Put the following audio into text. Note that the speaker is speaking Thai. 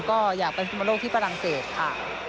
ก็อยากไปสำรวจที่ฝรั่งเศสค่ะ